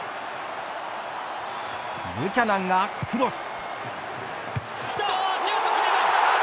ブキャナンが、クロス。